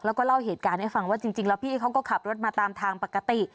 แล้วก็เล่าเหตุการณ์ให้ฟังว่าจริงแล้วพี่เขาก็ขับรถมาตามทางปกติ